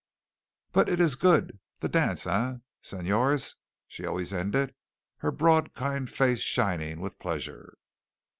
"But it ees good, the dance, eh, señores?" she always ended, her broad, kind face shining with pleasure.